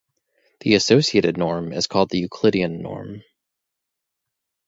The associated norm is called the Euclidean norm.